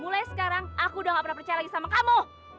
mulai sekarang aku udah gak pernah percaya lagi sama kamu